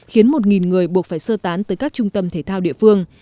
khiến một người buộc phải sơ tán tới các trung tâm thể thao địa phương